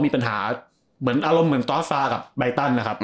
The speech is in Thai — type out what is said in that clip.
มีปัญหาแอลมเหมือนต่อซากับไบตันนะครับ